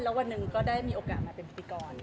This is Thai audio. แล้ววันหนึ่งก็ได้มีโอกาสมาเป็นพิธีกร